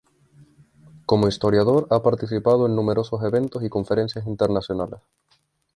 Como historiador, ha participado en numerosos eventos y conferencias internacionales.